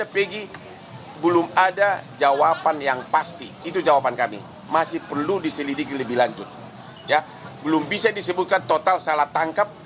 apakah bisa dikatakan seperti banyak orang yang juga menilai penyelamatkan bgd salah tangka